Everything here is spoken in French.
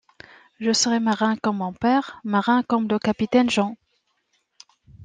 Je serai marin comme mon père, marin comme le capitaine John!